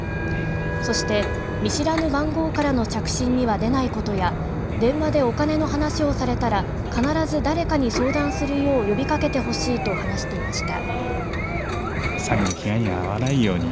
そして見知らぬ番号からの着信にはでないことや電話でお金の話をされたら必ず誰かに相談するよう呼びかけてほしいと話していました。